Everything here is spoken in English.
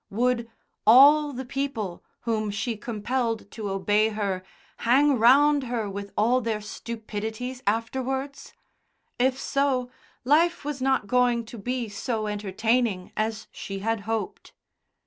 Would all the people whom she compelled to obey her hang round her with all their stupidities afterwards? If so, life was not going to be so entertaining as she had hoped.